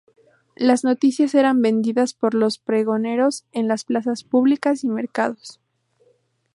Las noticias eran vendidas por los pregoneros en las plazas públicas y mercados.